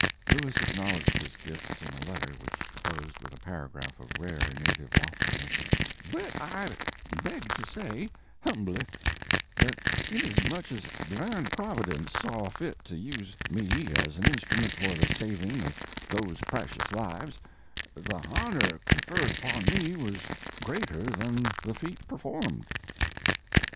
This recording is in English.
Lewis acknowledged his gifts in a letter which closed with a paragraph of rare native loftiness: But I beg to say, humbly, that inasmuch as divine Providence saw fit to use me as an instrument for the saving of those preshious lives, the honner conferd upon me was greater than the feat performed.